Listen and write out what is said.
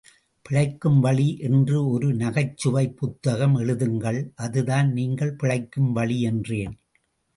பிழைக்கும் வழி என்று ஒரு நகைச்சுவைப் புத்தகம் எழுதுங்கள், அதுதான் நீங்கள் பிழைக்கும் வழி என்றேன்.